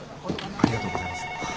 ありがとうございます。